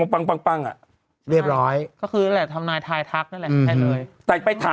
ทั้งนี้แค่นั่นแหละทายทักแน่นั่นแหละ